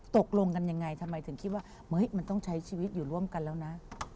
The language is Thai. ตกลงกันยังไงทำไมถึงคิดว่ามันต้องใช้ชีวิตอยู่ร่วมกันแล้วนะ